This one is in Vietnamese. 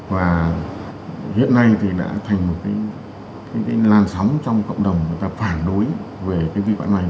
và hiện nay thì đã thành một cái làn sóng trong cộng đồng người ta phản đối về cái vi phạm này